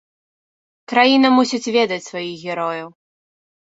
Краіна мусіць ведаць сваіх герояў!